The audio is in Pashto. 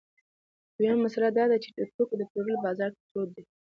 دویمه مسئله دا ده چې د توکو د پلورلو بازار تود دی